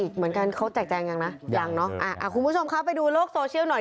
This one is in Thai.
คุณผู้ชมเข้าไปดูโลกโซเชียลหน่อย